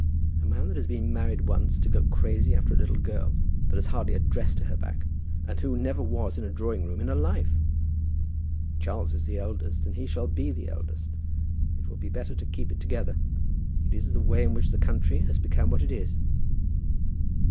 A man that has been married once, to go crazy after a little girl, that has hardly a dress to her back, and who never was in a drawing room in her life! Charles is the eldest, and he shall be the eldest. It will be better to keep it together. It is the way in which the country has become what it is."